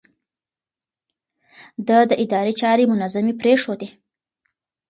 ده د ادارې چارې منظمې پرېښودې.